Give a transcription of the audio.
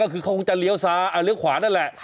ก็คือเขาคงจะเลี้ยวซ้ายเลี้ยวขวานั่นแหละ